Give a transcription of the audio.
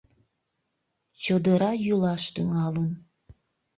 Чодыра йӱлаш тӱҥалын.